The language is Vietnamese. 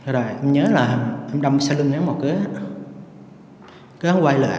rồi em nhớ là em đâm xe lưng ngán một kế cứ không quay lại